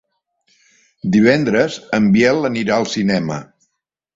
Divendres en Biel anirà al cinema.